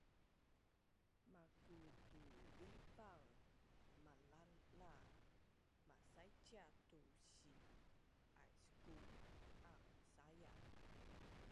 makutudipaang malaʼla masaicia tu si-aisku ang saia